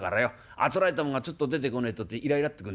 あつらえたもんがツッと出てこねえとイライラッとくんだ。